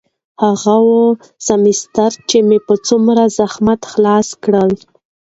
هغه اووه سمستره چې ما په څومره زحمت خلاص کړل.